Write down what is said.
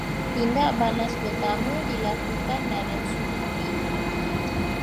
Tindak balas pertama dilakukan dalam suhu tinggi